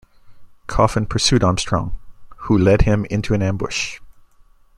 Coffin pursued Armstrong, who led him into an ambush.